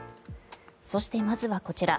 そして、まずはこちら。